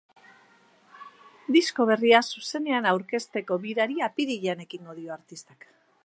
Disko berria zuzenean arukezteko birari apirilean ekingo dio artistak.